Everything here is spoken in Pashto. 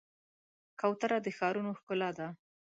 کوتره د ښارونو ښکلا ده.